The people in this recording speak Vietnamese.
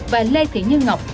và lê thị nhân ngọc